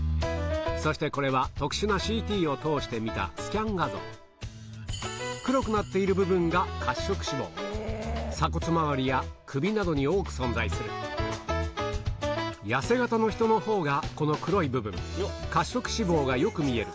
そしてこれは特殊なＣＴを通して見たスキャン画像黒くなっている部分が鎖骨回りや首などに多く存在する痩せ形の人のほうがこの黒い部分褐色脂肪がよく見える